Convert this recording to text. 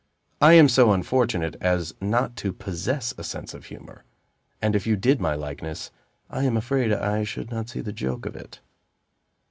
I am so unfortunate as not to possess a sense of humor; and if you did my likeness, I am afraid I should not see the joke of it."